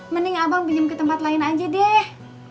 mending abang pinjam ke tempat lain aja deh